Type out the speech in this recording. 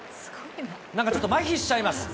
なんかちょっとまひしちゃいます。